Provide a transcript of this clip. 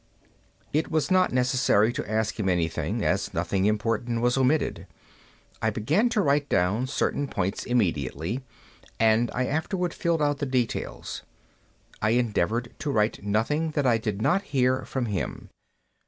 It was not necessary to ask him anything, as nothing important was omitted. I began to write down certain points immediately, and I afterward filled out the details. I endeavored to write nothing that I did not hear from him.